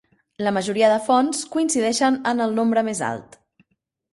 La majoria de fonts coincideixen en el nombre més alt.